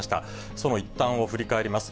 その一端を振り返ります。